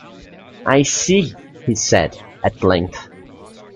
"I see," he said, at length.